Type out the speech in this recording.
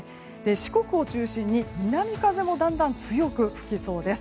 四国を中心に南風もだんだん強く吹きそうです。